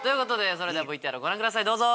それではＶＴＲご覧ください。